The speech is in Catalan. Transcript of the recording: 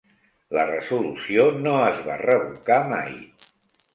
La resolució no es va revocar mai.